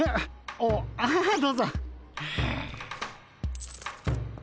ああどうぞ。